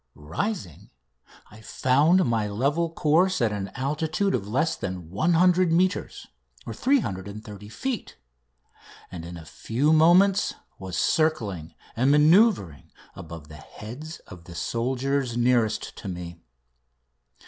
Rising, I found my level course at an altitude of less than 100 metres (330 feet), and in a few moments was circling and manoeuvring above the heads of the soldiers nearest to me.